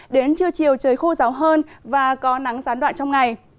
đến trưa chiều trời khô ráo hơn và có nắng gián đoạn trong ngày